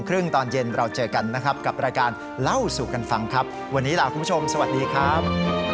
เล่าสุขกันฟังครับวันนี้ลาคุณผู้ชมสวัสดีครับ